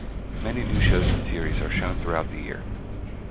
Many new shows and series are shown throughout the year.